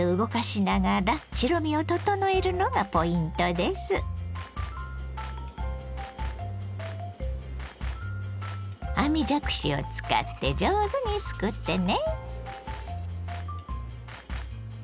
絶えず網じゃくしを使って上手にすくってね。